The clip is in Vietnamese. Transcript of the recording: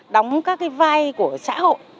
đóng các cái vai của xã hội